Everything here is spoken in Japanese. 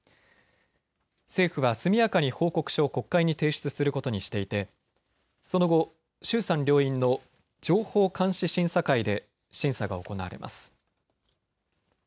政府は速やかに報告書を国会に提出することにしていてその後、衆参両院の情報監視審査会で審査が行われます。